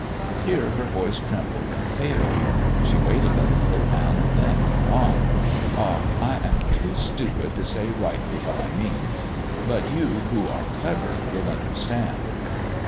Here her voice trembled and failed; she waited a little and then went on, "Ah, I am too stupid to say rightly what I mean, but you who are clever will understand.